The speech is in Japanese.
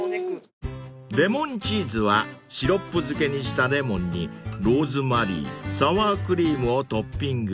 ［レモンチーズはシロップ漬けにしたレモンにローズマリーサワークリームをトッピング］